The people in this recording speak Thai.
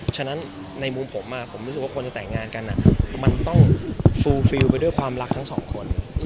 ฉะนั้นในมุมผมผมรู้สึกว่าคนจะแต่งงานกันมันต้องฟูฟิลไปด้วยความรักทั้งสองคน